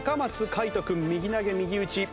凱士君右投げ右打ち。